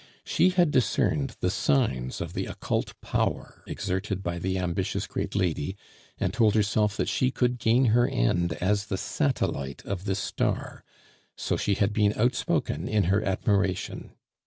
She had discerned the signs of the occult power exerted by the ambitious great lady, and told herself that she could gain her end as the satellite of this star, so she had been outspoken in her admiration.